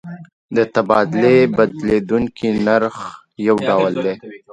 د تبادلې بدلیدونکی نرخ یو ډول دی.